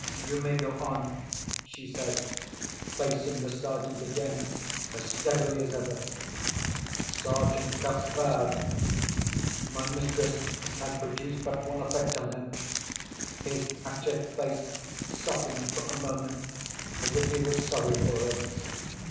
"You may go on," she said, facing the Sergeant again as steadily as ever. Sergeant Cuff bowed. My mistress had produced but one effect on him. His hatchet face softened for a moment, as if he was sorry for her.